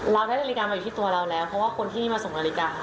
เราได้นาฬิกามาอยู่ที่ตัวเราแล้วเพราะว่าคนที่มาส่งนาฬิกา